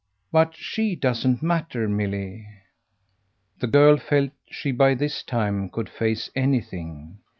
"But SHE doesn't matter, Milly." The girl felt she by this time could face anything.